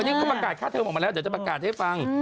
นี่เขาประกาศค่าเทอมออกมาแล้วเดี๋ยวจะประกาศให้ฟัง